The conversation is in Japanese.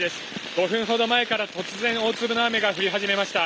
５分ほど前から突然大粒の雨が降り始めました。